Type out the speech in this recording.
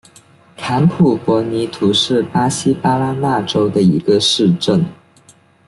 坎普博尼图是巴西巴拉那州的一个市镇。